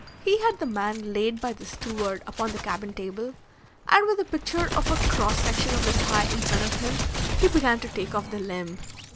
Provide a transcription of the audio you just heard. He had the man laid by the steward upon the cabin table, and with a picture of a cross section of the thigh in front of him he began to take off the limb.